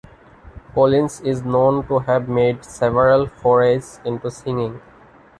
Collins is known to have made several forays into singing.